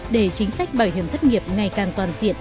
để chính sách bảo hiểm thất nghiệp ngày càng toàn diện